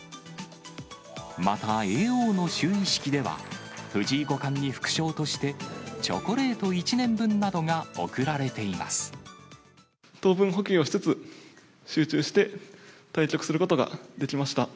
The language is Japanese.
また、叡王の就位式では、藤井五冠に副賞として、チョコレート１年分な糖分補給をしつつ、集中して対局することができました。